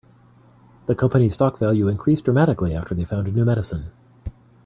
The company's stock value increased dramatically after they found a new medicine.